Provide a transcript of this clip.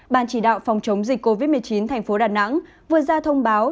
ban chỉ đạo phòng chống dịch covid một mươi chín thành phố đà nẵng vừa ra thông báo